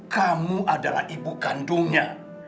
kamu adalah ibu kandungnya